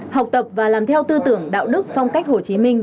học tập và làm theo tư tưởng đạo đức phong cách hồ chí minh